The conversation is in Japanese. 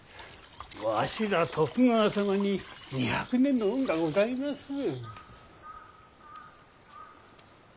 わしらは徳川様に二百年の恩がございまする。